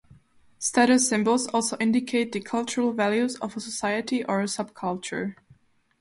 Status symbols also indicate the cultural values of a society or a subculture.